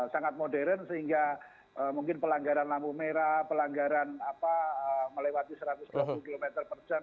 sangat modern sehingga mungkin pelanggaran lampu merah pelanggaran melewati satu ratus dua puluh km per jam